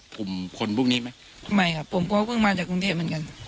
กลุ่มคนพวกนี้ไหมไม่ครับผมก็เพิ่งมาจากกรุงเทพเหมือนกัน